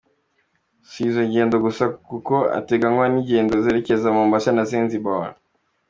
Si izo ngendo gusa kuko hateganywa n’ingendo zerekeza Mombasa na Zanzibar.